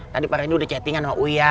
tadi pak rendy udah chattingan sama uya